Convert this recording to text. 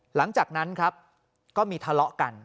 หลังจากนั้นครับก็มีทะเลาะกัน